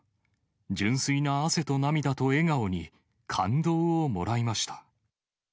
純粋な汗と涙と笑顔に感動をもらいました。